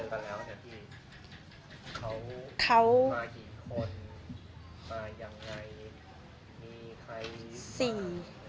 เขามากี่คนมายังไงมีใครมาสี่